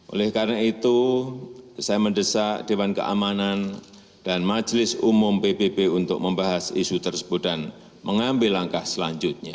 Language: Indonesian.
oleh karena itu saya mendesak dewan keamanan dan majelis umum pbb untuk membahas isu tersebut dan mengambil langkah selanjutnya